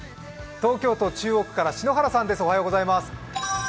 東京都中央区から篠原さんです。